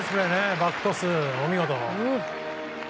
バックトス、お見事。